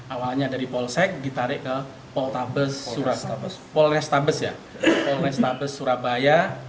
awalnya dari polsek ditarik ke polnestabes surabaya